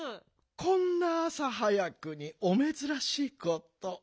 こんなあさはやくにおめずらしいこと。